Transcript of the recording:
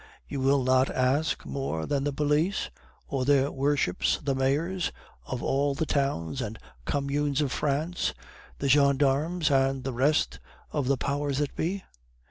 You will not ask more than the police, or their worships the mayors, of all the towns and communes of France, the gendarmes and the rest of the powers that be?